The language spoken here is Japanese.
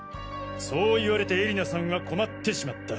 そう言われて絵里菜さんは困ってしまった。